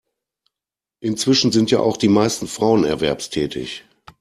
Inzwischen sind ja auch die meisten Frauen erwerbstätig.